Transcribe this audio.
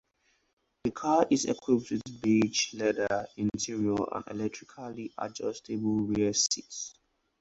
The car is equipped with beige leather interior and electrically adjustable rear seats.